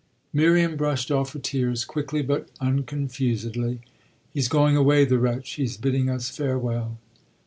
Miriam brushed off her tears, quickly but unconfusedly. "He's going away, the wretch; he's bidding us farewell."